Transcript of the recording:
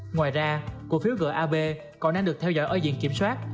ngoài ra cổ phiếu gab còn đang được theo dõi ở diện kiểm soát